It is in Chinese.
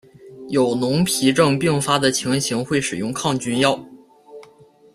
有脓皮症并发的情形会使用抗菌药。